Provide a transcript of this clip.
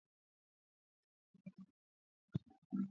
Hilo linawaweka karibu na mashambulizi ya karibuni ya